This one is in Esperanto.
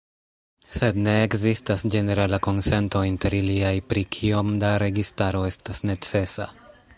Sed ne ekzistas ĝenerala konsento inter iliaj pri kiom da registaro estas necesa.